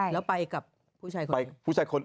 แล้วไปกับผู้ชายคนที่ตาย